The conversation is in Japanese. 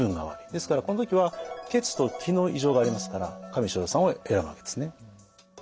ですからこの時は血と気の異常がありますから加味逍遙散を選ぶわけですね。